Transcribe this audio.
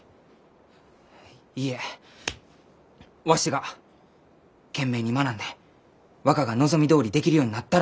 いいえわしが懸命に学んで若が望みどおりできるようになったら。